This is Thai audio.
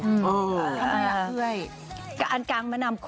แต่วันนี้ขอเปลี่ยนเป็นกลางแม่น้ำโข่ง